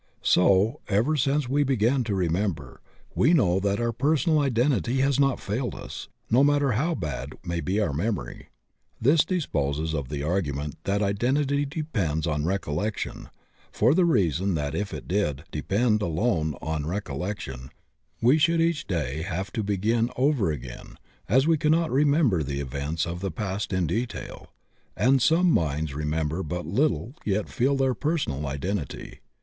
So, ever since we began to remember, we know that our personal identity has not failed us, no matter how bad may be our memory. This disposes of the argu ment that identity depends on recollection, for the reason that if it did depend alone on recollection we should each day have to begin over again, as we cannot remember the events of the past in detail, and some minds remember but little yet feel their personal identity.